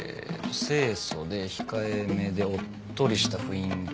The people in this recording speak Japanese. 清楚で控えめでおっとりした雰囲気の子。